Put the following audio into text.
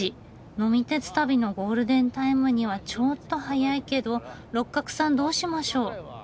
呑み鉄旅のゴールデンタイムにはちょっと早いけど六角さんどうしましょ？